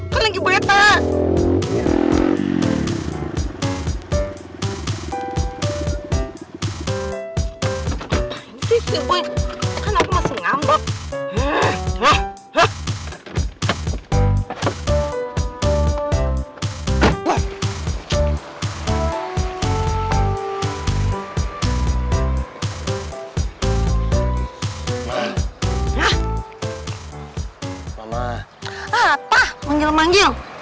hai mama apa menggunng